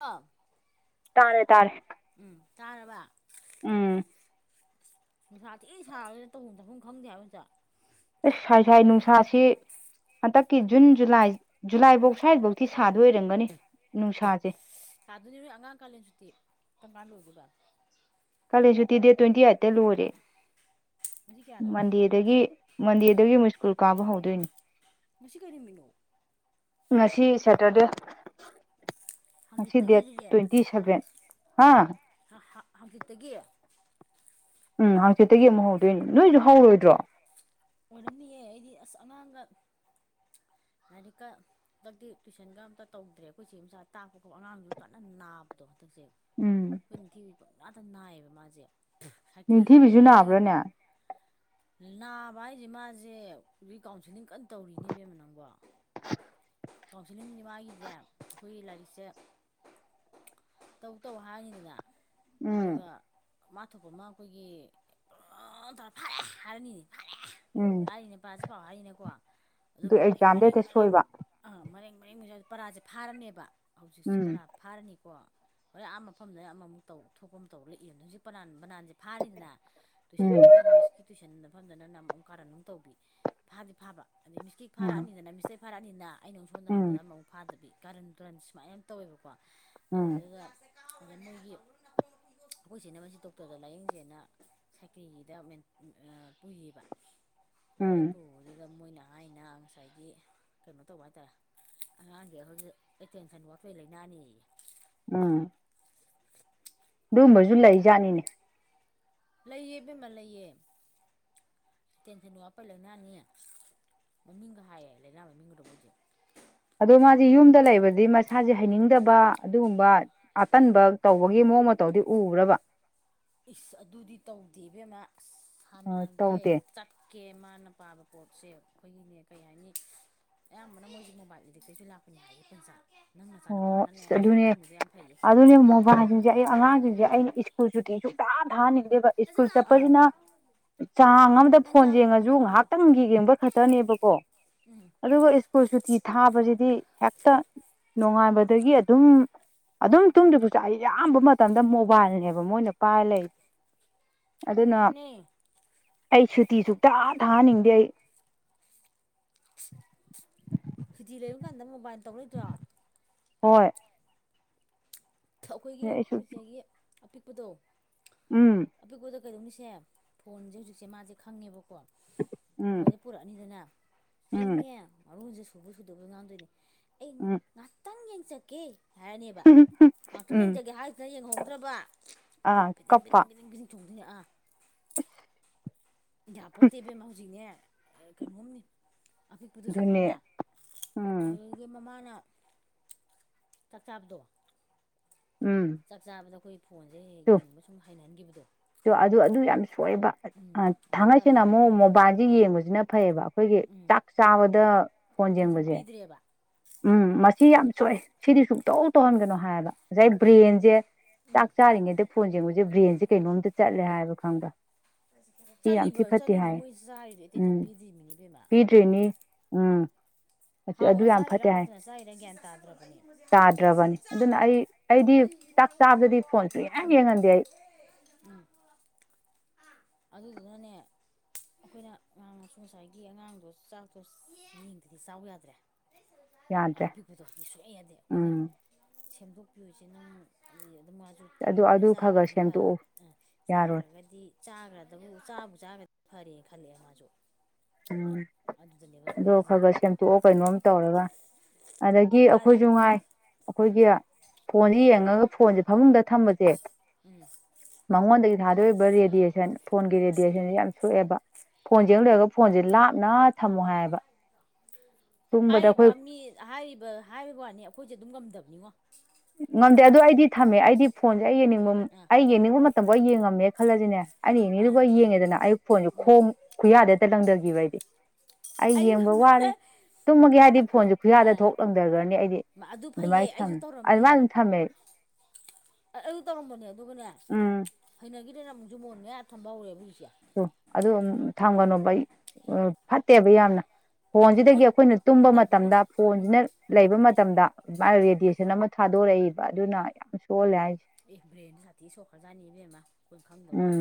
ꯑ ꯇꯥꯔꯦ ꯇꯥꯔꯦ ꯎꯝ ꯇꯥꯔꯕ ꯎꯝ ꯅꯨꯡꯁꯥꯊꯤ ꯁꯥꯕꯅꯤꯅ ꯇꯧꯐꯝ ꯆꯥꯐꯝ ꯈꯪꯗꯦ ꯍꯥꯏꯕ ꯍꯦꯛꯇ ꯑꯦ ꯁꯥꯏ ꯁꯥꯏ ꯅꯨꯡꯁꯥꯁꯤ ꯍꯟꯗꯛꯀꯤ ꯖꯨꯟ ꯖꯨꯂꯥꯏ ꯖꯨꯂꯥꯏꯕꯧ ꯁ꯭ꯋꯥꯏꯕꯧꯗꯤ ꯁꯥꯗꯣꯏ ꯑꯣꯏꯔꯝꯒꯅꯤ ꯅꯨꯡꯁꯥꯁꯦ ꯁꯗꯣꯏꯅꯤꯅ ꯑꯉꯥꯡ ꯀꯥꯂꯦꯟ ꯁꯨꯇꯤ ꯀꯔꯝꯀꯥꯟ ꯂꯣꯏꯗꯣꯏꯕ ꯀꯂꯦꯟ ꯁꯨꯇꯤ ꯗꯦꯠ ꯇ꯭ꯋꯦꯟꯇꯤ ꯑꯥꯏꯠꯇ ꯂꯣꯏꯔꯦ ꯉꯁꯤ ꯀꯌꯥꯅꯣ ꯃꯟꯗꯦꯗꯒꯤ ꯃꯟꯗꯦꯗꯒꯤ ꯑꯃꯨꯛ ꯁ꯭ꯀꯨꯜ ꯀꯥꯕ ꯍꯧꯗꯣꯏꯅꯤ ꯉꯁꯤ ꯀꯩ ꯅꯨꯃꯤꯠꯅꯣ ꯉꯁꯤ ꯁꯦꯇꯔꯗꯦ ꯉꯁꯤ ꯍꯥꯡꯆꯤꯠꯇꯒꯤ ꯗꯦꯠ ꯑꯗꯨꯗꯤ ꯇ꯭ꯋꯦꯟꯇꯤ ꯁꯚꯦꯟ ꯍꯥ ꯍꯥ ꯍꯥ ꯍꯪꯆꯤꯠꯇꯒꯤ ꯎꯝ ꯍꯥꯡꯆꯤꯠꯇꯒꯤ ꯑꯃꯨꯛ ꯍꯧꯗꯣꯏꯅꯦ ꯅꯣꯏꯁꯨ ꯍꯧꯔꯣꯏꯗ꯭ꯔꯣ ꯑꯣꯏꯔꯝꯅꯤꯌꯦ ꯑꯩꯗꯤ ꯑꯁꯁ ꯑꯩꯗꯤ ꯑꯉꯥꯡꯒ ꯂꯥꯏꯔꯤꯛ ꯀ ꯍꯟꯗꯛꯇꯤ ꯇꯨꯏꯁꯟꯒ ꯑꯝꯇ ꯇꯧꯗ꯭ꯔꯦ ꯑꯩꯈꯣꯏꯆꯦ ꯃꯆꯥ ꯇꯥꯛꯄꯗꯣ ꯑꯉꯥꯡꯗꯨ ꯀꯟꯅ ꯅꯥꯕ ꯑꯗꯣ ꯍꯟꯗꯛꯁꯦ ꯎꯝ ꯑꯩꯈꯣꯏ ꯅꯤꯡꯊꯤꯕꯤꯗꯤ ꯄꯪꯅꯗꯥ ꯅꯥꯏꯌꯦꯕ ꯃꯥꯖꯦ ꯅꯤꯡꯊꯤꯕꯤꯁꯨ ꯅꯥꯕ꯭ꯔꯅꯦ ꯅꯥꯕ ꯍꯥꯏꯁꯦ ꯃꯥꯖꯦ ꯔꯤꯀꯥꯎꯟꯁꯤꯂꯤꯡ ꯀꯟꯅ ꯇꯧꯔꯤꯅꯦ ꯏꯕꯦꯃꯃꯥ ꯅꯪꯕꯣ [inaudible] ꯀꯥꯎꯟꯁꯤꯂꯤꯡꯖꯦ ꯃꯥꯒꯤꯖꯦ ꯑꯩꯈꯣꯏꯒꯤ ꯂꯥꯏꯔꯤꯛꯁꯦ ꯇꯧ ꯇꯧ ꯍꯥꯏꯔꯅꯤꯗꯅ ꯎꯝ ꯑꯗꯨꯒ ꯃꯥ ꯊꯣꯛꯄ ꯑꯃ ꯑꯩꯈꯣꯏꯒꯤ ꯄꯨꯔꯥ ꯐꯔꯦ ꯍꯥꯏꯔꯅꯤ ꯐꯔꯦ ꯎꯝ ꯍꯥꯏꯔꯤꯅꯦ ꯄꯁꯤ ꯄꯥꯎ ꯍꯥꯏꯔꯤꯅꯦꯀꯣ ꯑꯗꯨ ꯑꯗꯨꯒ ꯃꯔꯦꯡ ꯑꯦꯛꯖꯥꯝꯗ ꯃꯔꯦꯡ ꯍꯦꯛꯇ ꯃꯔꯦꯡ ꯁꯣꯏꯕ ꯑꯥ ꯃꯔꯦꯡ ꯃꯔꯦꯡ ꯄꯔꯥꯁꯦ ꯐꯥꯔꯅꯦꯕ ꯍꯧꯖꯤꯛꯁꯦ ꯎꯝ ꯄꯔꯥ ꯐꯥꯔꯅꯤꯀꯣ ꯍꯣꯔꯦꯟ ꯑꯥ ꯃꯐꯝꯗ ꯑꯃꯃꯨꯛ ꯇꯧ ꯊꯣꯛꯄ ꯑꯃ ꯇꯧꯔꯛꯏ ꯏꯔꯝ ꯗꯣꯏ ꯍꯧꯖꯤꯛꯅꯥꯟ ꯕꯅꯥꯟꯁꯦ ꯐꯥꯅꯤꯗꯅ ꯎꯝ ꯇꯨꯏꯁꯟ ꯃꯣꯏ ꯃꯤꯁꯀꯤ ꯇꯨꯏꯁꯟ ꯃꯐꯝꯗꯅ ꯀꯥꯔꯔꯟ ꯑꯃꯨꯛ ꯇꯧꯕꯤ ꯐꯥꯗꯤ ꯐꯥꯕ ꯑꯗꯩ ꯃꯤꯁꯀꯤ ꯎꯝ ꯐꯔꯛꯑꯅꯤꯅ ꯃꯤꯁꯇꯩ ꯐꯔꯛꯑꯅꯤꯅ ꯑꯩ ꯅ ꯁꯣꯟꯗ ꯎꯝ ꯍꯪꯕꯗ ꯑꯃꯃꯨꯛ ꯐꯥꯗꯕꯤ ꯀꯔꯟ ꯇꯨꯔꯟ ꯁꯨꯃꯥꯏꯅꯇꯧꯋꯦꯕꯀꯣ ꯎꯝ ꯑꯗꯨꯒ ꯑꯗꯨꯗ ꯃꯣꯏꯒꯤ ꯑꯩꯈꯣꯏ ꯆꯦꯅ ꯃꯁꯤ ꯗꯣꯛꯇꯔꯗ ꯂꯥꯏꯌꯦꯡꯁꯦꯅ ꯁꯥꯏꯀ꯭ꯔꯤꯒꯤꯗ ꯃꯦꯟ ꯄꯨꯏꯌꯦꯕ꯫ ꯑꯗꯨꯗ ꯎꯝ ꯄꯨꯕꯗꯨꯗ ꯃꯣꯏꯅ ꯍꯥꯏꯅ ꯉꯁꯥꯏꯒꯤ ꯀꯩꯅꯣ ꯇꯧꯕ ꯍꯥꯏꯇꯥꯔꯦ ꯑꯉꯥꯡꯁꯦ ꯑꯩꯈꯣꯏꯒꯤ ꯑꯦꯇꯦꯟꯁꯟ ꯋꯥꯠꯄꯩ ꯂꯩꯅꯅꯦꯌꯦ ꯎꯝ ꯑꯗꯨꯒꯨꯝꯕꯁꯨ ꯂꯩꯖꯥꯠꯅꯤꯅꯦ ꯂꯩꯌꯦ ꯕꯦꯝꯃ ꯂꯩꯌꯦ ꯇꯦꯟꯁꯟꯗ ꯋꯥꯠꯄꯩ ꯂꯥꯏꯅꯥꯅꯤ ꯃꯃꯤꯡꯒ ꯍꯥꯏꯌꯦ ꯂꯩꯅꯥ ꯃꯃꯤꯡꯒꯗꯣ ꯃꯣꯏꯁꯦ ꯑꯗꯣ ꯃꯥꯖꯦ ꯌꯨꯝꯗ ꯂꯩꯕꯗꯤ ꯃꯁꯥꯁꯦ ꯍꯩꯅꯤꯡꯗꯕ ꯑꯗꯨꯒꯨꯝꯕ ꯑꯇꯟꯕ ꯇꯧꯕꯒꯤ ꯃꯑꯣꯡ ꯃꯇꯧꯗꯤ ꯎꯕꯔꯕ ꯏꯁ ꯑꯗꯨꯗꯤ ꯇꯧꯗꯦꯕꯦꯝꯃ ꯑꯁ ꯑꯣ ꯁꯥꯟꯅꯒꯦ ꯇꯧꯗꯦ ꯀꯦ ꯃꯥꯅ ꯄꯥꯕ ꯄꯣꯠꯁꯦ ꯑꯩꯈꯣꯏꯒꯤꯅꯦ ꯀꯩ ꯍꯥꯏꯅꯤ ꯑꯌꯥꯝꯕꯅ ꯃꯣꯏꯖꯦ ꯃꯣꯕꯥꯏꯜ ꯏꯗꯤꯛꯇꯩꯩꯁꯨ ꯂꯥꯛꯄꯅꯤ ꯍꯥꯏꯌꯦ ꯕꯦꯝꯆꯥ ꯅꯪ ꯑꯣ ꯅꯆꯥꯅꯨꯄꯥꯅꯅꯦ ꯑꯁ ꯕꯣꯗꯤꯡ ꯑꯗꯨꯅꯦ ꯊꯝꯃꯤꯗꯣ ꯌꯥꯝ ꯐꯩꯌꯦ ꯑꯗꯨꯅꯦ ꯃꯣꯕꯥꯏꯜꯁꯤꯡꯁꯦ ꯑꯩ ꯑꯉꯥꯡꯁꯤꯡꯁꯦ ꯑꯩꯅ ꯁ꯭ꯀꯨꯜꯁꯨꯨꯇꯤ ꯁꯨꯡꯊ ꯊꯥꯍꯟꯅꯤꯡꯗꯦꯕ ꯁ꯭ꯀꯨꯜ ꯑꯥ ꯆꯠꯄꯁꯤꯅ ꯆꯥꯡ ꯑꯃꯗ ꯅꯪ ꯐꯣꯟ ꯆꯥꯔꯨꯔꯣ ꯅꯪ ꯌꯦꯡꯉꯁꯨ ꯆꯥꯔꯨꯔꯣ ꯉꯥꯏꯍꯥꯛꯇꯪꯒꯤ ꯌꯦꯡꯕ ꯈꯛꯇꯅꯦꯕ ꯀꯣ ꯑꯗꯨꯒ ꯁ꯭ꯀꯨꯜ ꯁꯨꯇꯤ ꯊꯥꯕꯁꯤꯗꯤ ꯍꯦꯛꯇ ꯅꯣꯉꯥꯟꯕꯗꯒꯤ ꯑꯗꯨꯝ ꯑꯗꯨꯝ ꯇꯨꯡꯗꯕꯤꯗ ꯑꯩꯌꯥꯝꯕ ꯃꯇꯝꯗ ꯃꯣꯕꯥꯏꯜꯅꯦꯕ ꯃꯣꯏꯅ ꯄꯥꯏꯔ ꯂꯩ ꯑꯗꯨꯅ ꯃꯥꯅꯦ ꯑꯩ ꯁꯨꯇꯤ ꯁꯨꯛꯊꯥ ꯊꯥꯍꯟꯅꯤꯡꯗꯦ ꯑꯩ ꯁꯨꯇꯤ ꯂꯩꯕ ꯀꯥꯟꯗ ꯃꯣꯕꯥꯏꯜ ꯇꯧ ꯂꯩꯇ꯭ꯔꯣ ꯍꯣꯏ ꯑꯩꯈꯣꯏꯒꯤ ꯑꯩ ꯑꯩꯈꯣꯏꯁꯤꯒꯤ ꯑꯄꯤꯛꯄꯗꯣ ꯎꯝ ꯑꯄꯤꯛꯄꯣꯗ ꯀꯩꯗꯧꯅꯤꯁꯦ ꯐꯣꯟꯁꯦ ꯍꯧꯖꯤꯛꯁꯦ ꯃꯥꯁꯦ ꯈꯪꯉꯦꯕꯀꯣ ꯎꯝ ꯐꯣꯟꯁꯦ ꯄꯨꯔꯛꯑꯅꯤꯗꯅ ꯎꯝ ꯑꯩꯅꯦ ꯃꯔꯣꯟꯁꯦ ꯁꯨꯕꯣꯏ ꯁꯨꯗꯕꯣꯏ ꯉꯥꯡꯗꯣꯏꯅꯦ ꯑꯩ ꯎꯝ ꯉꯥꯛꯇꯪ ꯌꯦꯡꯖꯒꯦ ꯍꯥꯏꯔꯅꯦꯕ꯫ ꯉꯥꯛꯇꯪ ꯎꯝ ꯌꯦꯡꯖꯒꯦ ꯍꯥꯏꯁꯤꯅ ꯌꯦꯡꯍꯧꯗ꯭ꯔꯕ ꯑꯥ ꯐꯤꯗꯤꯡ ꯀꯞꯄ ꯄꯤꯗꯤꯡ ꯄꯤꯗꯤꯡ ꯄꯤꯗꯤꯡ ꯆꯣꯡꯗꯣꯏꯅꯦ ꯑꯥ ꯌꯥꯄꯣꯇꯦ ꯏꯕꯦꯝꯃꯥ ꯍꯧꯖꯤꯛꯅꯦ ꯀꯩꯅꯣꯝꯅꯦ ꯑꯄꯤꯛꯄꯗꯨꯁꯨ ꯑꯗꯨꯅꯦ ꯈꯪꯕ꯭ꯔꯥ ꯎꯝ ꯑꯗꯨꯗꯒꯤ ꯃꯃꯥꯅ ꯆꯥꯛꯆꯥꯥꯕꯗꯣ ꯎꯝ ꯆꯥꯛ ꯆꯥꯕꯗ ꯑꯩꯈꯣꯏ ꯐꯣꯟꯁꯦ ꯍꯦꯛ ꯌꯦꯡꯕ ꯁꯨꯝ ꯍꯩꯅꯍꯟꯈꯤꯕꯗꯣ ꯇꯨ ꯑꯗꯨ ꯑꯗꯨ ꯌꯥꯝ ꯁꯣꯏꯌꯦꯕ ꯎꯝ ꯑꯗꯨ ꯊꯥꯡꯉꯩꯁꯦꯡꯅ ꯇꯟꯕ ꯑꯃꯨꯛ ꯑꯩꯈꯣꯏꯅ ꯃꯣꯕꯥꯏꯜꯁꯦ ꯌꯦꯡꯕꯁꯤꯅ ꯐꯩꯌꯦꯕ ꯑꯩꯈꯣꯏꯒꯤ ꯎꯝ ꯆꯥꯛ ꯆꯥꯕꯗ ꯐꯣꯟ ꯑꯦꯇꯦꯟꯁꯟ ꯌꯦꯡꯕꯁꯦ꯫ ꯄꯤꯗ꯭ꯔꯦꯕ ꯎꯝ ꯃꯁꯤ ꯌꯥꯝ ꯁꯣꯏ ꯁꯤꯗꯤ ꯁꯨꯡꯇꯧ ꯇꯧꯍꯟꯒꯅꯨ ꯍꯥꯏꯌꯦꯕ ꯉꯁꯥꯏ ꯕ꯭ꯔꯦꯟꯖꯦ ꯆꯥꯛ ꯆꯥꯔꯤꯉꯩꯗ ꯐꯣꯟ ꯌꯦꯡꯕꯁꯦ ꯕ꯭ꯔꯦꯟꯁꯦ ꯀꯩꯅꯣꯝꯗ ꯆꯠꯂꯦ ꯍꯥꯏꯕ ꯈꯪꯕ꯭ꯔ ꯆꯠꯂꯤꯕ ꯆꯠꯂꯤꯅꯦ ꯃꯣꯏ ꯆꯥꯔꯤꯗ ꯎꯝ ꯑꯦꯇꯦꯟꯁꯟ ꯄꯤꯗ꯭ꯔꯤꯅꯦꯃꯤ ꯏꯕꯦꯝꯃꯥ [unintelligible] ꯎꯝ ꯑꯗꯨ ꯍꯥꯎꯅ ꯌꯥꯝ ꯆꯥꯔꯤꯔ ꯐꯠꯇꯦ ꯍꯥꯎ ꯍꯥꯏ ꯆꯥꯏꯔ ꯒ꯭ꯌꯥꯟ ꯇꯥꯗꯔꯕꯅꯦ ꯇꯥꯗ꯭ꯔꯕꯅꯤ ꯑꯗꯨꯅ ꯑꯩ ꯑꯩꯗꯤ ꯆꯥꯛ ꯆꯥꯕꯗꯗꯤ ꯐꯣꯟ [unintelligible] ꯁꯨꯡꯌꯦꯡ ꯎꯝ ꯌꯦꯡꯍꯟꯗꯦ ꯑꯩ ꯎꯝ ꯑꯗꯨꯗꯨꯅꯅꯦ ꯑꯩꯈꯣꯏꯅ ꯑꯉꯥꯡꯅꯁꯨ ꯉꯁꯥꯏꯒꯤ ꯑꯉꯥꯡꯗꯣ ꯆꯥꯛꯇꯣ ꯌꯦꯡꯗꯗꯤ ꯆꯥꯎ ꯌꯥꯗꯕꯗꯣ ꯑ ꯌꯥꯗ꯭ꯔꯦ ꯑꯄꯤꯛꯄꯗꯣ ꯁꯨꯛꯌꯥ ꯌꯥꯗꯦ ꯑꯩꯈꯣꯏꯅ ꯎꯝ ꯁꯦꯝꯗꯣꯛꯄꯤꯌꯨ ꯏꯆꯧ ꯅꯪ ꯑꯗꯨ ꯃꯥꯁꯨ ꯑꯗꯨ ꯀꯜꯂꯝꯃꯦ ꯑꯗꯨ ꯈꯔ ꯈꯔ ꯆꯥꯈ꯭ꯔꯗꯤ ꯐꯔꯦ ꯁꯦꯝꯗꯣꯛꯎ ꯌꯥꯔꯣꯏ ꯆꯥꯈ꯭ꯔꯒꯗꯤ ꯆꯥꯈ꯭ꯔꯗꯕꯨ ꯆꯥꯕꯨ ꯆꯥꯈ꯭ꯔꯗꯤ ꯐꯔꯦ ꯈꯜꯂꯦ ꯃꯥꯁꯨ ꯎꯝ ꯑꯗꯨꯗꯅꯦꯕ ꯑꯗꯣ ꯁꯣꯏꯔꯛꯏꯁꯦ ꯈꯒ ꯁꯦꯝꯇꯣꯛꯑꯣ ꯀꯩꯅꯣꯝ ꯇꯧꯔꯒ ꯑꯗꯒꯤ ꯌꯥꯔꯦ ꯑꯩꯈꯣꯏꯁꯨ ꯉꯥꯏ ꯑꯩꯈꯣꯏꯒꯤ ꯐꯣꯟꯁꯤ ꯌꯦꯡꯉꯒ ꯐꯣꯟꯁꯦ ꯐꯃꯨꯡꯗ ꯊꯝꯕꯁꯦ ꯃꯉꯣꯟꯗꯒꯤ ꯊꯥꯗꯣꯏꯕ ꯔꯦꯗꯤꯌꯦꯁꯟ ꯐꯣꯟꯒꯤ ꯔꯦꯗꯤꯌꯦꯁꯟꯁꯦ ꯌꯥꯝ ꯁꯣꯛꯑꯦꯕ ꯐꯣꯟꯁꯦ ꯂꯣꯏꯔꯒ ꯐꯣꯟꯁꯦ ꯂꯥꯞꯅ ꯊꯝꯃꯣ ꯍꯥꯏꯌꯦꯕ ꯇꯨꯝꯕꯗ ꯍꯥꯏꯔꯤꯕ ꯑꯩꯈꯣꯏ ꯃꯤ ꯍꯥꯏꯔꯤꯕ ꯍꯥꯏꯔꯤꯕ ꯋꯥꯅꯤ ꯑꯩꯈꯣꯏꯁꯦ ꯑꯗꯨꯝ ꯉꯝꯗꯕꯅꯤꯉꯣ ꯉꯝꯗꯦ ꯑꯗꯨꯗꯣ ꯑꯩꯗꯤ ꯊꯝꯃꯦ ꯑꯩꯗꯤ ꯐꯣꯟꯁꯦ ꯑꯩ ꯌꯦꯡꯅꯤꯡꯕ ꯑꯥ ꯑꯩ ꯌꯦꯡꯅꯤꯡꯕ ꯃꯇꯝꯐꯥꯎ ꯑꯩ ꯌꯦꯡꯉꯝꯃꯦ ꯈꯜꯂꯁꯤꯅꯦ ꯑꯥ ꯑꯩꯅꯅꯦꯗꯨꯕꯨ ꯌꯦꯡꯉꯦꯗꯅ ꯑꯌꯨ ꯐꯣꯟꯁꯨꯦ ꯈꯣꯡ ꯈꯨꯌꯥꯗ ꯍꯦꯇ ꯂꯪꯊꯈꯤꯕ ꯑꯩꯗꯤ ꯑꯩ ꯌꯦꯡꯕ ꯋꯥꯔꯦ ꯇꯨꯝꯃꯒꯦ ꯍꯥꯏꯗꯤ ꯐꯣꯟꯁꯨꯦ ꯈꯨꯌꯥꯗ ꯑ ꯊꯣꯛꯂꯝꯗꯈ꯭ꯔꯅꯤ ꯑꯩꯗꯤ ꯑꯗꯨ ꯐꯩꯌꯦ ꯑꯗꯨꯃꯥꯏꯅ ꯑꯩꯁꯨ ꯊꯝꯃꯦ ꯇꯧꯔꯛ ꯑꯗꯨꯃꯥꯏꯅ ꯑꯗꯨꯝ ꯊꯝꯃꯦ ꯑ ꯑꯩ ꯇꯧꯔꯝꯕꯅꯦ ꯑꯗꯨꯒꯅꯦ ꯎꯝ ꯍꯩꯅꯈꯤꯗꯦꯅ ꯑꯃꯨꯛꯁꯨꯨ ꯃꯣꯟ ꯃꯌꯥ ꯊꯝꯕ ꯍꯧꯔꯦꯕ ꯍꯧꯖꯤꯛꯁꯦ ꯑꯗꯨ ꯊꯝꯒꯅꯣꯕ ꯑꯩ ꯐꯠꯇꯦꯕ ꯌꯥꯝꯅ ꯐꯣꯟꯁꯤꯗꯒꯤ ꯑꯩꯈꯣꯏꯅ ꯇꯨꯝꯕ ꯐꯠꯇꯔꯛꯄꯅꯤ ꯃꯇꯝꯗ ꯎꯝ ꯐꯣꯟꯁꯤꯅ ꯂꯩꯕ ꯃꯇꯝꯗ ꯑꯗꯨꯃꯥꯏꯅ ꯔꯦꯗꯤꯌꯦꯁꯟ ꯑꯃ ꯊꯥꯗꯣꯔꯛꯏꯕ ꯑꯗꯨꯅ ꯌꯥꯝ ꯁꯣꯜꯂꯦ ꯍꯥꯏꯁꯦ ꯑꯦ ꯕ꯭ꯔꯦꯟ ꯁꯥꯇꯤ ꯁꯣꯀꯥꯖꯥꯅꯤꯕꯦꯝꯃꯥꯈꯝꯗꯧ ꯑ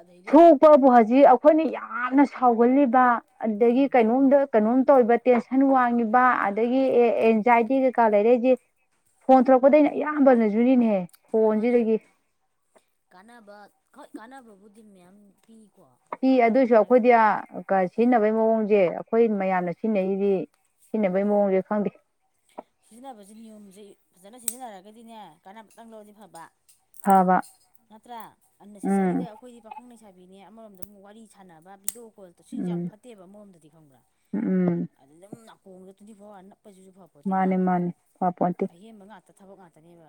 ꯑꯗꯩꯗ ꯑꯄꯕꯨ ꯍꯧꯖꯤꯛ ꯑꯩꯈꯣꯏꯅ ꯌꯥꯝꯅ ꯁꯥꯎꯒꯜꯂꯤꯕ ꯑꯗꯒꯤ ꯎꯝ ꯀꯩꯅꯣꯝꯗ ꯀꯩꯅꯣꯝ ꯇꯧꯕ ꯇꯦꯟꯁꯟ ꯋꯥꯡꯉꯤꯕ ꯑꯗꯒꯤ ꯑꯦ ꯑꯦꯟꯖꯥꯏꯇꯤ ꯀꯩꯀꯥ ꯂꯩꯔꯦꯏꯁꯦ ꯐꯣꯟ ꯊꯣꯔꯛꯄꯗꯩꯅ ꯑꯌꯥꯝꯕꯅꯁꯨꯨꯔꯤꯅꯦꯍꯦ ꯃꯥꯅꯦ ꯀꯥꯟꯅꯕ ꯍꯣꯏ ꯀꯥꯟꯅꯕꯕꯨꯗꯤ ꯃꯌꯥꯝ ꯄꯤ ꯁꯤꯤ ꯑꯗꯨꯏꯁꯨ ꯑꯩꯈꯣꯏꯗꯤ ꯁꯤꯖꯤꯟꯅꯕꯩ ꯃꯑꯣꯡꯁꯦ ꯑꯩꯈꯣꯏ ꯎꯝ ꯃꯌꯥꯝꯅ ꯁꯤꯖꯤꯟꯅꯩꯗꯤ ꯁꯤꯖꯤꯟꯅꯕꯩ ꯃꯑꯣꯡꯁꯦ ꯈꯪꯗꯦ ꯁꯤꯖꯤꯟꯅꯕꯕꯁꯤ ꯅꯤꯌꯣꯝꯁꯤ ꯐꯖꯅ ꯁꯤꯖꯤꯟꯅꯔꯒꯗꯤꯅꯦ ꯀꯥꯟꯝꯇꯪ ꯂꯧꯔꯗꯤ ꯐꯕ ꯐꯕ ꯅꯠꯇꯔꯥ ꯑꯟꯅꯦꯁꯥꯁꯔꯤꯗ ꯎꯝ ꯑꯩꯈꯣꯏꯗꯤ ꯄꯥꯈꯪ ꯂꯩꯁꯥꯕꯤꯅꯦ ꯑꯃꯔꯣꯝꯗ ꯑꯃꯨꯛ ꯋꯥꯔꯤ ꯁꯥꯟꯅꯕ ꯕꯤꯗꯤꯑꯣ ꯀꯣꯜꯗꯁꯨ ꯌꯥꯝ ꯎꯝ ꯐꯠꯇ ꯅꯠꯇꯦꯕ ꯑꯃꯔꯣꯝꯗꯗꯤ ꯈꯪꯕ꯭ꯔꯥ ꯎꯝ ꯑꯗꯨ ꯑꯗꯨꯝ ꯅꯥꯀꯣꯡꯗ ꯇ꯭ꯋꯦꯟꯇꯤ ꯐꯣꯔ ꯑꯋꯥꯔ ꯅꯞꯄꯁꯤꯁꯨ ꯐ ꯍꯥ ꯃꯥꯅꯦ ꯃꯥꯅꯦ ꯐꯄꯣꯟꯇꯦ ꯑꯍꯦꯟꯕ ꯉꯥꯛꯇ ꯊꯕꯛ ꯉꯥꯛꯇꯅꯦꯕ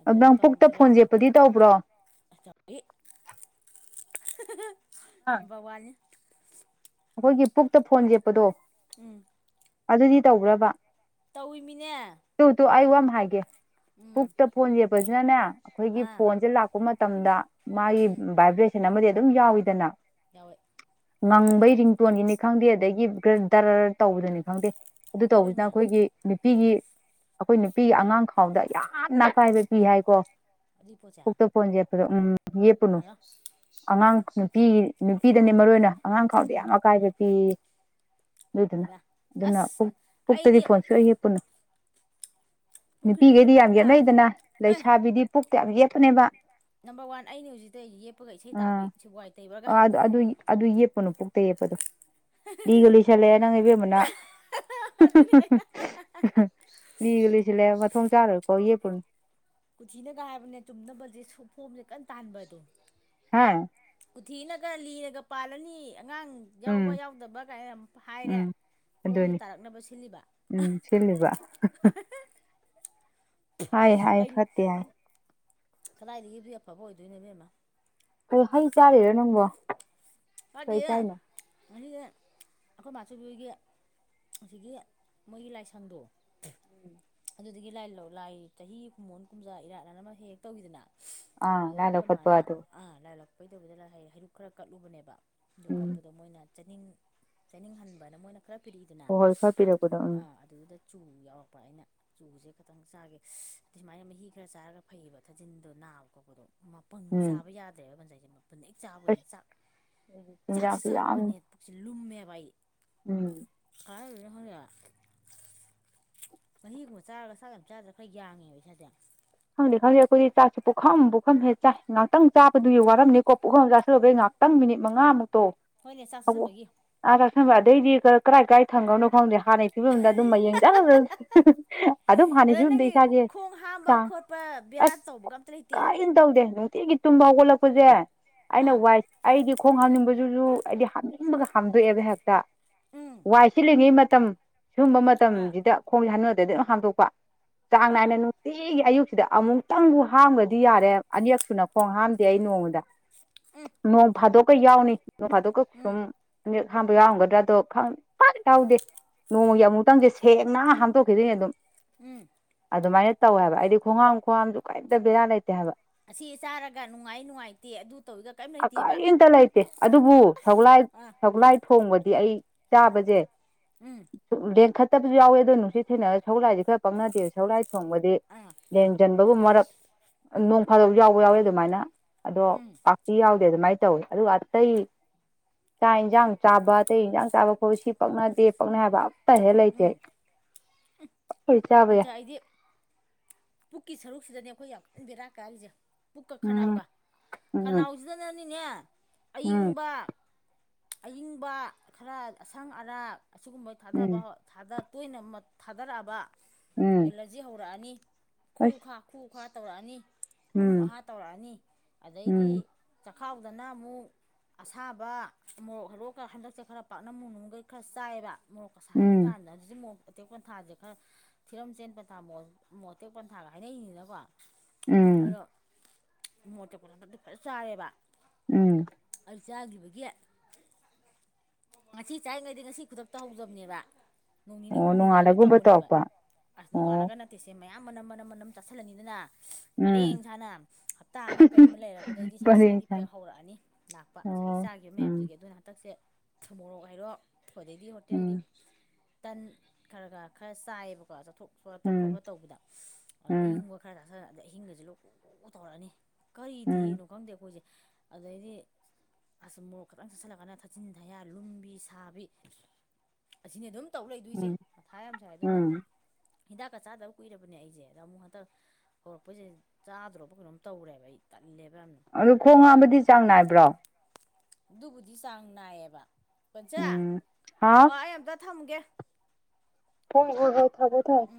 ꯑꯗꯣ ꯅꯪ ꯄꯨꯛꯇ ꯇꯧꯗ꯭ꯔꯦ ꯐꯣꯟ ꯌꯦꯞꯄꯗꯤ ꯇꯧꯕ꯭ꯔꯣ ꯇꯧꯏ ꯍꯥ ꯅꯝꯕꯔ ꯋꯥꯟꯅꯤ ꯑꯩꯈꯣꯏꯒꯤ ꯄꯨꯛꯇ ꯐꯣꯟ ꯌꯦꯞꯄꯗꯣ ꯎꯝ ꯑꯗꯨꯗꯤ ꯇꯧꯕ꯭ꯔꯕ ꯇꯧꯋꯤꯃꯤꯅꯦ ꯇꯨ ꯇꯨ ꯑꯩ ꯋꯥ ꯍꯥꯏꯒꯦ ꯄꯨꯛꯇ ꯐꯣꯟ ꯌꯦꯛꯞꯄꯁꯤꯅꯅꯦ ꯑꯩꯈꯣꯏꯒꯤ ꯑꯥ ꯐꯣꯟꯁꯦ ꯂꯥꯛ ꯀꯄ ꯃꯇꯝꯗ ꯃꯥꯒꯤ ꯎꯝ ꯚꯥꯏꯕ꯭ꯔꯦꯁꯟ ꯑꯃꯗꯤ ꯑꯗꯨꯝ ꯌꯥꯎꯏꯤꯗꯅ ꯌꯥꯎꯑꯦ ꯉꯪꯕꯩ ꯔꯤꯡꯇꯣꯟꯒꯤꯅꯤ ꯈꯪꯗꯦ ꯑꯗꯒꯤ ꯗꯔ ꯇꯧꯕꯗꯨꯅꯤ ꯈꯪꯗꯦ ꯑꯗꯨ ꯇꯧꯕꯁꯤꯅ ꯇꯧꯏꯅꯦ ꯑꯩꯈꯣꯏꯒꯤ ꯅꯨꯄꯤꯒꯤ ꯑꯩꯈꯣꯏ ꯅꯨꯄꯤꯒꯤ ꯑꯉꯥꯡ ꯈꯥꯎꯗ ꯌꯥꯝꯅ ꯑꯀꯥꯏꯕ ꯄꯤ ꯍꯥꯏꯀꯣ [unintelligible] ꯄꯨꯛꯇ ꯐꯣꯟ ꯌꯦꯞꯄꯥꯗꯣ ꯎꯝ ꯌꯦꯞꯄꯨꯅꯨ ꯍꯜꯂꯣ ꯑꯉꯥꯡ ꯅꯨꯄꯤ ꯅꯨꯄꯤꯗꯅꯦ ꯃꯔꯨ ꯑꯣꯏꯅ ꯑꯉꯥꯡ ꯐꯥꯎꯗ ꯎꯝ ꯑꯀꯥꯏꯕ ꯄꯤ ꯌꯦ ꯑꯗꯨꯏꯗꯨꯅ ꯍꯩꯃꯥ ꯑꯗꯨꯅ ꯄꯨ ꯑꯁ ꯄꯨꯛꯇꯒꯤ ꯑꯩꯗꯤ ꯐꯣꯟꯁꯨ ꯑꯩ ꯌꯦꯄꯨꯅꯨ ꯄꯨꯈ꯭ꯔꯤꯗ ꯅꯨꯄꯤꯈꯩꯗꯤ ꯌꯥꯝ ꯌꯦꯞꯄꯦꯗꯅ ꯌꯦꯠꯅꯩꯗꯅ ꯑꯦ ꯂꯩꯁꯥꯕꯤꯗꯤ ꯄꯨꯛꯇ ꯌꯥꯝ ꯌꯦꯠꯄꯅꯦꯕ ꯅꯝꯕꯔ ꯋꯥꯟ ꯑꯩꯩꯅ ꯍꯧꯖꯤꯛꯇꯇꯩ ꯑꯩ ꯌꯦꯛꯄꯒ ꯏꯁꯩ ꯑꯥ ꯇꯥꯕꯤ ꯁꯤ ꯋꯥꯏ ꯇꯩꯕ꯭ꯔꯥꯒ ꯑ ꯑꯗꯨ ꯑꯗꯨ ꯌꯦꯞꯄꯨꯅꯨ ꯄꯨꯛꯇ ꯌꯦꯞꯄꯗꯣ ꯂꯤꯒ ꯂꯤꯁꯟ ꯂꯦ ꯅꯪ ꯏꯕꯦꯝꯃꯅꯪ ꯑꯗꯨꯅꯦ ꯂꯤꯒ ꯂꯤꯁꯤꯜꯂꯦ ꯃꯊꯣꯡ ꯆꯥꯔꯣꯏꯀꯣ ꯌꯦꯛꯄꯨꯅꯦ ꯀꯊꯤꯅꯒ ꯍꯥꯏꯕꯅꯦ ꯆꯨꯝꯅꯕꯁꯦ ꯁꯨ ꯐꯣꯝꯁꯦ ꯀꯟꯅ ꯇꯥꯟꯕꯗꯣ ꯍꯥꯥ ꯀꯨꯊꯤꯅꯒ ꯂꯤꯔꯒ ꯄꯥꯜꯂꯅꯤ ꯑꯉꯥꯡ ꯌꯥꯎꯕ ꯎꯝ ꯌꯥꯎꯗꯕ ꯀꯥꯏꯅ ꯑꯃ ꯍꯥꯏꯔꯦ ꯎꯝ ꯐꯣꯝꯁꯦ ꯑꯗꯨꯅꯤ ꯇꯥꯔꯛꯅꯕ ꯁꯤꯜꯂꯤꯕ ꯎꯝ ꯁꯤꯜꯂꯤꯕ ꯍꯥꯏ ꯍꯥꯏ ꯐꯠꯇꯦ ꯍꯥꯏ ꯀꯗꯥꯏꯗꯒꯤ ꯗꯨꯏ ꯑꯐꯕ ꯑꯣꯏꯗꯣꯏꯅꯣ ꯏꯕꯦꯝꯃ ꯀꯩꯅꯣ ꯍꯩ ꯆꯥꯔꯤꯔꯣ ꯅꯪꯕꯣ [unintelligible] ꯀꯩ ꯆꯥꯏꯅꯣ ꯉꯁꯤꯁꯦ ꯑꯈꯣꯏ ꯃꯆꯧꯕꯤ ꯍꯣꯏꯒꯤ ꯑꯁꯤꯒꯤ ꯃꯣꯏꯒꯤ ꯂꯥꯏꯁꯪꯗꯣ [inaudible] ꯑꯗꯨꯗꯒꯤ ꯂꯥꯏ ꯂꯧ ꯂꯥꯏ ꯆꯍꯤꯒꯤ ꯀꯨꯝꯃꯣꯟ ꯀꯨꯝꯖꯥ ꯏꯔꯥꯠ ꯑꯅ ꯑꯃ ꯍꯦꯛ ꯍꯦꯛ ꯇꯧꯋꯤꯗꯅ ꯑꯥ ꯑꯗꯨꯗ ꯂꯥꯏ ꯈꯣꯏ ꯂꯧꯈꯠꯄ ꯃꯥꯅ ꯑꯗꯨ ꯑꯥ ꯂꯥꯏꯂꯥꯛꯄꯩ ꯇꯧꯕꯗꯨꯗ ꯂꯥꯏꯍꯩꯔꯨꯛ ꯈꯔ ꯀꯠꯂꯨꯕꯅꯦꯕ ꯑꯗꯨ ꯎꯝ ꯀꯠꯄꯗꯣ ꯃꯣꯏꯅ ꯆꯅꯤꯡ ꯆꯅꯤꯡꯍꯟꯕꯅ ꯃꯣꯏꯅ ꯈꯔ ꯄꯤꯔꯛꯏꯗꯅ ꯍꯣꯏ ꯍꯣꯏ ꯈꯔ ꯄꯤꯔꯛꯄꯗꯣ ꯎꯝ ꯑ ꯑꯗꯨꯗ ꯆꯨ ꯌꯥꯎꯔꯛꯄ ꯑꯩꯅ ꯆꯨꯁꯦ ꯈꯇꯪ ꯆꯥꯒꯦ ꯇꯨ ꯁꯨꯃꯥꯏꯅ ꯃꯍꯤ ꯈꯔ ꯆꯥꯔꯒ ꯐꯩꯌꯦꯕ ꯊꯥꯖꯤꯟꯗꯣ ꯅꯥꯕ ꯈꯣꯠꯄꯗꯣ ꯃꯄꯪ ꯎꯝ ꯆꯥꯕ ꯌꯥꯗꯦꯕ ꯉꯁꯥꯏꯁꯦ ꯃꯄꯪ ꯍꯦꯛ ꯆꯥꯕꯒꯅꯤ ꯑꯁ ꯆꯥꯛ ꯆꯥꯛꯁꯦ ꯆꯤꯟꯖꯥꯛꯁꯨ ꯌꯥꯝꯅ ꯆꯥꯕꯒꯅꯦ ꯄꯨꯛꯁꯦ ꯂꯨꯝꯃꯦꯕꯥ ꯑꯩ ꯎꯝ [unintelligible] ꯃꯍꯤꯒꯨꯝꯕ ꯆꯥꯔꯒ ꯆꯥꯛ ꯌꯥꯝ ꯆꯥꯗ꯭ꯔ ꯈꯔ ꯌꯥꯡꯉꯦꯕ ꯏꯁꯥꯖꯦ ꯈꯪꯗꯦ ꯈꯪꯗꯦ ꯑꯈꯣꯏꯗꯤ ꯆꯥꯛꯁꯦ ꯄꯨꯈꯝ ꯄꯨꯈꯝ ꯍꯦꯛ ꯆꯥꯏ ꯉꯥꯛꯇꯪ ꯆꯥꯗꯨꯒꯤ ꯋꯥꯔꯝꯅꯤꯀꯣ ꯄꯨꯈꯝ ꯑꯃ ꯆꯥꯁꯤꯜꯂꯨꯕꯩ ꯉꯥꯍꯥꯛ ꯇꯪ ꯃꯤꯅꯤꯠ ꯃꯉꯥꯃꯨꯛꯇꯣ ꯍꯣꯏꯅꯦ ꯆꯥꯛ ꯆꯥꯁꯟꯕꯒꯤ ꯑꯥ ꯆꯥꯁꯟꯕ ꯑꯗꯩꯗꯤ ꯀꯥꯏ ꯀꯥꯏ ꯊꯝꯒ꯭ꯔꯅꯣ ꯈꯪꯗꯦ ꯍꯥꯟꯅꯩ ꯐꯤꯝꯗ ꯑꯗꯨꯝ ꯃꯌꯦꯡ ꯖꯔ [inaudible] ꯑꯗꯣ ꯐꯤꯕꯝꯗ ꯅꯪꯗꯤ ꯏꯁꯥꯁꯦ ꯈꯣꯡ ꯍꯥꯝꯕ ꯆꯥꯡ ꯈꯣꯠꯄ ꯕꯦꯔꯥ ꯑꯁ ꯇꯧꯕꯒ ꯑꯝꯇ ꯂꯩꯇꯦ ꯀꯔꯤꯝ ꯇꯧꯗꯦ ꯅꯨꯡꯇꯤꯒꯤ ꯇꯨꯝꯕ ꯍꯧꯒꯠꯂꯛꯄꯁꯦ ꯑꯩꯅ ꯑꯥ ꯋꯥꯏ ꯑꯩꯗꯤ ꯈꯣꯡ ꯍꯥꯝꯅꯤꯡꯕꯖꯨꯖꯨ ꯑꯩꯗꯤ ꯍꯥꯝꯅꯤꯡꯕꯒ ꯍꯥꯝꯗꯣꯛꯑꯦꯕ ꯍꯦꯛꯇ ꯎꯝ ꯋꯥꯏ ꯁꯤꯜꯂꯤꯉꯩ ꯃꯇꯝ ꯁꯨꯝꯕ ꯑꯥ ꯃꯇꯝꯁꯤꯗ ꯈꯣꯡꯁꯦ ꯍꯥꯝꯅꯤꯡ ꯇꯗꯤ ꯑꯗꯨꯝ ꯍꯥꯝꯗꯣꯛꯄ ꯆꯥꯡ ꯑꯥ ꯅꯥꯏꯅ ꯅꯨꯡꯇꯤꯒꯤ ꯑꯌꯨꯛ ꯁꯤꯗ ꯑꯃꯨꯛꯇꯪꯕꯨ ꯍꯥꯝꯒꯗꯤ ꯌꯥꯔꯦ ꯑꯅꯤꯔꯛꯁꯨꯅ ꯈꯣꯡ ꯍꯥꯝꯗꯦ ꯑꯩ ꯅꯣꯡꯃꯗ ꯎꯝ ꯅꯣꯡ ꯐꯥꯗꯣꯛꯀ ꯌꯥꯎꯅꯤ ꯅꯣꯡ ꯐꯥꯗꯣꯛꯀ ꯎꯝ ꯁꯨꯝ ꯑꯅꯤꯔꯛ ꯍꯥꯝꯕ ꯌꯥꯎꯔꯝꯒꯗ꯭ꯔꯥꯗꯣ ꯈꯪ ꯄꯥꯛ ꯇꯧꯗꯦ ꯅꯣꯡꯃꯒꯤ ꯑꯃꯨꯃꯨꯛꯇꯪꯁꯦ ꯁꯦꯡꯅ ꯍꯥꯝꯇꯣꯛꯈꯤꯗꯣꯏꯅꯦ ꯑꯗꯨꯝ ꯎꯝ ꯑꯗꯨꯃꯥꯏꯅ ꯇꯧꯋꯦ ꯍꯥꯏꯕ ꯑꯩꯗꯤ ꯈꯣꯡꯍꯥꯝ ꯈꯨꯍꯥꯝꯁꯨ ꯀꯔꯤꯝꯇ ꯕꯦꯔꯥ ꯂꯩꯇꯦ ꯍꯥꯏꯕ ꯑꯁꯤ ꯆꯥꯔꯒ ꯅꯨꯡꯉꯥꯏ ꯅꯨꯡꯉꯥꯏꯇꯦ ꯑꯗꯨ ꯇꯧꯋꯤꯒ ꯀꯔꯤꯝ ꯑ ꯂꯩꯇꯦꯕ ꯀꯔꯤꯝꯇ ꯂꯩꯇꯦ ꯑꯗꯨꯕꯨ ꯁꯒꯣꯜꯂꯥꯏ ꯑꯥ ꯁꯒꯣꯜꯂꯥꯏ ꯊꯣꯡꯕꯗꯤ ꯑꯩ ꯆꯥꯕꯖꯦ ꯎꯝ ꯂꯦꯡꯈꯠꯇꯕꯁꯨ ꯌꯥꯎꯋꯦ ꯑꯗꯣ ꯅꯨꯡꯁꯤꯠ ꯊꯦꯡꯅꯔ ꯁꯒꯣꯜꯂꯥꯏꯁꯦ ꯈꯔ ꯄꯪꯅꯗꯦꯕ ꯁꯒꯣꯜꯂꯥꯏ ꯊꯣꯡꯕꯗꯤ ꯑꯥ ꯂꯦꯡꯖꯟꯕꯒꯨꯝꯕ ꯃꯔꯛ ꯅꯣꯡ ꯐꯥꯗꯣꯛ ꯌꯥꯎꯕ ꯌꯥꯎꯋꯤ ꯑꯗꯨꯃꯥꯏꯅ ꯑꯗꯣ ꯎꯝ ꯄꯥꯛꯇꯤ ꯌꯥꯎꯗꯦ ꯑꯗꯨꯃꯥꯏꯅ ꯇꯧꯋꯤ ꯑꯗꯨꯒ ꯑꯇꯩ ꯆꯥꯛ ꯏꯟꯖꯥꯡ ꯆꯥꯕ ꯑꯇꯩ ꯏꯟꯖꯥꯡ ꯆꯥꯕ ꯈꯣꯠꯄ ꯁꯤ ꯄꯛꯅꯗꯦ ꯄꯛꯅꯩ ꯍꯥꯏꯕ ꯑꯝꯇ ꯍꯦꯛ ꯂꯩꯇꯦ ꯑꯩ [inaudible] [unintelligible] ꯆꯥꯕ ꯌꯥꯏ ꯀꯣꯟꯆꯥ ꯑꯩꯗꯤ ꯄꯨꯛꯀꯤ ꯁꯔꯨꯛꯁꯤꯗꯅꯦ ꯑꯩꯈꯣꯏ ꯌꯥꯝ ꯀꯟ ꯕꯦꯔꯥ ꯀꯥꯔꯤꯁꯦ ꯄꯨꯛꯀ ꯎꯝ ꯈꯅꯥꯎꯒ ꯎꯝ ꯈꯅꯥꯎ ꯁꯤꯗꯅꯅꯤꯅꯦ ꯎꯝ ꯑꯏꯪꯕ ꯑꯏꯪꯕ ꯈꯔ ꯑꯁꯪ ꯑꯔꯥꯛ ꯑꯁꯤꯒꯨꯝꯕ ꯎꯝ ꯊꯥꯗꯕ ꯇꯣꯏꯅ ꯊꯥꯗꯔꯛꯑꯕ ꯎꯝ ꯑꯦꯂꯔꯖꯤ ꯍꯧꯔꯛꯑꯅꯤ ꯈꯨ ꯑꯁ ꯈꯥ ꯈꯨꯨ ꯈꯥ ꯇꯧꯔꯛꯑꯅꯤ ꯎꯍꯨꯝ ꯎꯝ ꯑꯍꯥ ꯇꯧꯔꯛꯑꯅꯤ ꯑꯗꯩꯗꯤ ꯎꯝ ꯆꯈꯥꯎꯗꯅ ꯃꯨꯛ ꯑꯁꯥꯕ ꯃꯣꯔꯣꯛ ꯍꯜꯂꯣꯀꯥ ꯍꯟꯗꯛꯁꯦ ꯈꯔ ꯄꯥꯛꯅꯝ ꯅꯨꯡꯅꯥꯝꯒꯩ ꯈꯔ ꯆꯥꯏꯑꯕ ꯃꯣꯔꯣꯛꯀ ꯁꯥꯍꯟ ꯎꯝ ꯀꯥꯟꯗ ꯍꯖꯤꯛꯁꯦ ꯃꯣꯔꯣꯛ ꯑꯇꯦꯛ ꯄꯟꯊꯥꯁꯦ ꯈꯔ [unintelligible] ꯆꯦꯟ ꯄꯟꯊꯥ ꯃꯣꯔꯣꯛ ꯑꯇꯦꯛ ꯄꯟꯊꯥꯒ ꯍꯥꯏꯅꯩꯅꯤꯗꯅꯀꯣ ꯎꯝ ꯑꯗꯣ ꯃꯣ [inaudible] ꯠꯇꯦ ꯄꯂꯗꯗꯤ ꯐꯖ ꯆꯥꯏꯔꯦꯕ ꯎꯝ ꯑꯩ ꯆꯒꯤꯕꯒꯤ ꯉꯁꯤ ꯆꯥꯔꯤꯉꯩꯗꯤ ꯉꯁꯤ ꯈꯨꯗꯛꯇ ꯍꯧꯖꯕꯅꯦꯕ ꯅꯣꯡ ꯅꯤꯅꯤ ꯑꯣ ꯍꯨꯝꯅꯤ ꯂꯩꯔꯒ ꯅꯣꯡꯉꯥꯜꯂꯒꯨꯝꯕ ꯇꯧꯕꯅꯦꯕ ꯇꯧꯔꯛꯄ ꯑꯁ ꯑꯣ ꯅꯣꯡꯉꯥꯜꯂꯒ ꯅꯠꯇꯦꯁꯦ ꯃꯌꯥꯝ ꯃꯅꯝ ꯃꯅꯝ ꯃꯅꯝ ꯆꯁꯜꯂꯅꯤꯗꯅ ꯎꯝ ꯄꯔꯦꯡ ꯁꯥꯥꯅ ꯍꯞꯇꯥ ꯑꯃ ꯀꯩ ꯑꯃ ꯂꯩꯔꯕꯗꯒꯤꯗꯤ ꯁꯥꯏꯠ ꯄꯔꯦꯡ ꯁꯥ ꯏꯐꯦꯛ ꯍꯧꯔꯛꯑꯅꯤ ꯂꯥꯛꯄ ꯉꯁꯥꯏꯒꯤ ꯑꯣ ꯆꯥꯈꯤꯕ ꯃꯌꯥꯝꯗꯣ ꯎꯝ ꯑꯗꯨ ꯍꯟꯗꯛꯁꯦ ꯃꯣꯔꯣꯛ ꯍꯥꯏꯔꯣ ꯑꯗꯩꯗꯤ ꯍꯣꯇꯦꯜꯒꯤ ꯎꯝ ꯇꯟ ꯈꯔ ꯈ ꯈꯔ ꯆꯥꯏꯌꯦꯕꯀꯣ ꯆꯠꯊꯣꯛ ꯆ ꯈꯣꯠꯄ ꯎꯝ ꯇꯧꯕꯗ ꯑꯗ ꯎꯝ ꯑꯌꯪꯕ ꯈꯔ ꯈꯔ ꯆꯁꯤꯟꯔꯛꯑꯗꯤ ꯑꯍꯤꯡꯒꯁꯦ ꯂꯣꯛ ꯂꯣꯛ ꯇꯧꯔꯛꯑꯅꯤ ꯀꯔꯤ ꯗꯤ ꯎꯝ ꯍꯦꯅꯣ ꯈꯪꯗꯦ ꯑꯩꯈꯣꯏꯁꯦ ꯑꯗꯩꯗꯤ ꯑꯁ ꯑꯃꯨꯛ ꯈꯤꯇꯪ ꯆꯠꯁꯤꯜꯂꯒꯅ ꯊꯥꯆꯤꯟ ꯊꯌꯥ ꯂꯨꯝꯕꯤ ꯁꯥꯕꯤ ꯑꯁꯤꯅꯤ ꯑꯗꯨꯝ ꯇꯧꯔꯛꯏꯗꯣꯏꯁꯦ ꯎꯝ ꯃꯊꯥ ꯌꯥꯝ ꯁꯥꯏ ꯑꯗꯨꯅ ꯎꯝ ꯍꯤꯗꯥꯛꯀ ꯆꯥꯗꯕ ꯀꯨꯏꯔꯕꯅꯦ ꯑꯩꯁꯦ ꯑꯗ ꯑꯃꯨꯛ ꯍꯟꯇꯛ ꯍꯧꯔꯛꯄꯩꯁꯦ ꯆꯥꯗ꯭ꯔꯣꯕ ꯀꯩꯅꯣꯝ ꯇꯧꯔꯦꯕ ꯑꯩ ꯇꯜꯂꯦꯕ ꯌꯥꯝꯅ ꯑꯗꯨ ꯈꯣꯡ ꯍꯥꯝꯕꯗꯤ ꯆꯥꯡ ꯅꯥꯏꯕ꯭ꯔꯣ ꯑꯗꯨꯕꯨꯗꯤ ꯆꯥꯡ ꯅꯥꯏꯌꯦꯕ ꯀꯟꯁꯦ ꯎꯝ ꯍꯥ ꯑꯣ ꯑꯩ ꯑꯝꯇ ꯊꯝꯒꯦ ꯐꯣꯏꯕ ꯊꯕꯣ ꯊꯥꯏ [inaudible]